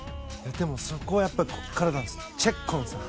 でも、そこはここからなんです。